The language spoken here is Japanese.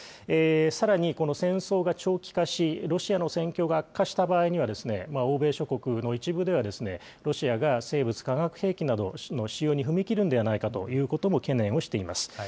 さらに、戦争が長期化し、ロシアの戦況が悪化した場合には、欧米諸国の一部では、ロシアが生物化学兵器などの使用に踏み切るんではないかということを懸念をしています。